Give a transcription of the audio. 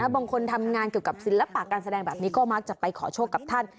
บางคนทำงานเกี่ยวกับศิลปะการแสดงแบบนี้ก็มักจะไปขอโชคกับท่าน